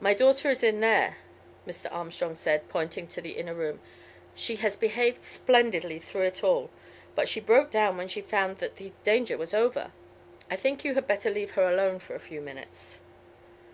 "My daughter is in there," Mr. Armstrong said, pointing to the inner room. "She has behaved splendidly through it all, but she broke down when she found that the danger was over. I think you had better leave her alone for a few minutes."